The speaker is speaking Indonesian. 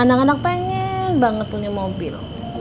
anak anak pengen banget punya mobil